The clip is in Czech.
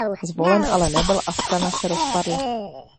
Zvolen ale nebyl a strana se rozpadla.